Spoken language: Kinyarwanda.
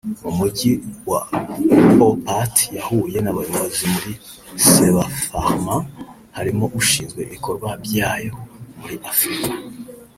mu Mujyi wa Boppat yahuye n’abayobozi muri Sebapharma barimo ushinzwe ibikorwa byayo muri Afurika